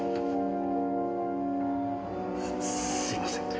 すいません。